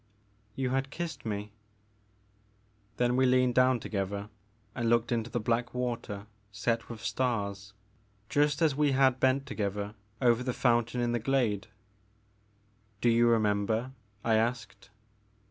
''*' You had kissed me '* Then we leaned down together and looked into the black water set with stars, just as we had bent together over the fountain in the glade. Do you remember ?'* I asked.